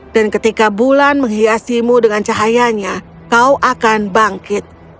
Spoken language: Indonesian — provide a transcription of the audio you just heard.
dan ketika bulan menghiasimu dengan cahayanya kau akan bangkit